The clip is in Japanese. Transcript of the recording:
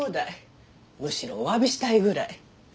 むしろお詫びしたいぐらい。